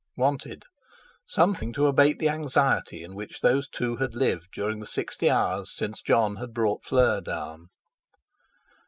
"Wanted"—something to abate the anxiety in which those two had lived during the sixty hours since Jon had brought Fleur down.